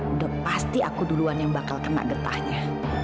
udah pasti aku duluan yang bakal kena getahnya